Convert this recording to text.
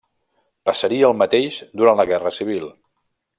Passaria el mateix durant la Guerra Civil.